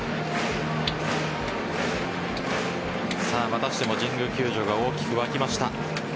またしても神宮球場が大きく沸きました。